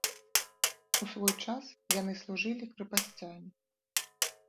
У свой час яны служылі крэпасцямі.